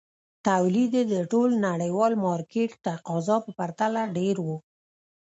تولید یې د ټول نړیوال مارکېټ تقاضا په پرتله ډېر وو.